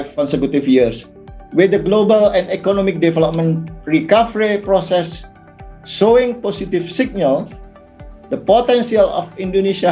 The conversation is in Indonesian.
dengan proses penyelenggaraan global dan ekonomi yang menunjukkan sinyal positif potensi ekonomi dan sinergi politik indonesia